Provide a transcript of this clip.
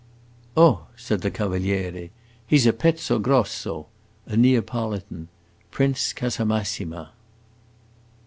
"Oh," said the Cavaliere, "he 's a pezzo grosso! A Neapolitan. Prince Casamassima."